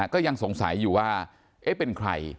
ก็ยังสงสัยอยู่ว่าเป็นใคร